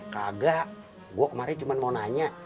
kagak gue kemarin cuma mau nanya